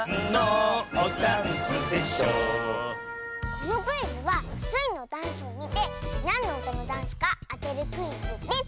このクイズはスイのダンスをみてなんのうたのダンスかあてるクイズです！